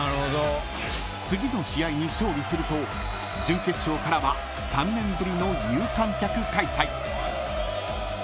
［次の試合に勝利すると準決勝からは３年ぶりの有観客開催］